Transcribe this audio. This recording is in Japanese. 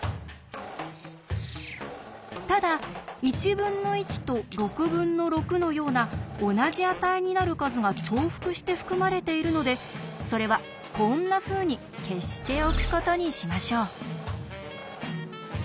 ただ「１分の１」と「６分の６」のような同じ値になる数が重複して含まれているのでそれはこんなふうに消しておくことにしましょう。